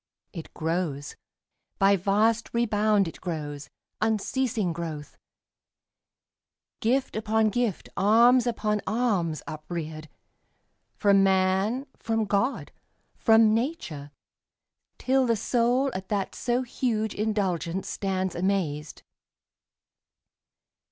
It grows— By vast rebound it grows, unceasing growth; Gift upon gift, alms upon alms, upreared, From man, from God, from nature, till the soul At that so huge indulgence stands amazed.